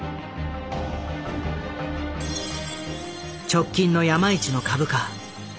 直近の山一の株価。